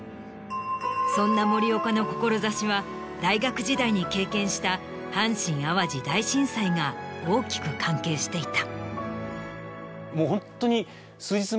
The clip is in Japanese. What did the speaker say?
そんな森岡の志は大学時代に経験した阪神・淡路大震災が大きく関係していた。